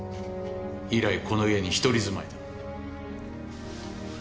以来この家に一人住まいだ。